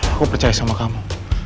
aku percaya sama kamu